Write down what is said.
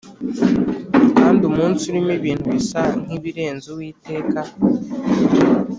kandi umunsi urimo ibintu bisa nkibirenze uwiteka